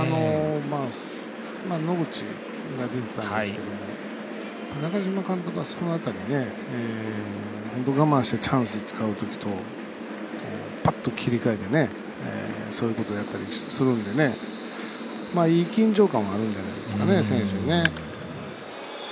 野口が出てたんですけども中嶋監督はその辺り本当に我慢してチャンスを使うときとぱっと切り替えてそういうことをするんでいい緊張感はあるんじゃないですかね、選手に。